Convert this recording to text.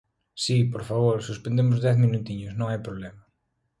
Si, por favor, suspendemos dez minutiños, non hai problema.